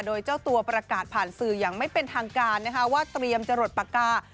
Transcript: โดยเจ้าตัวประกาศผ่านสื่ออย่างไม่เป็นทางการนะคะว่าเตรียมจะหลดปากกา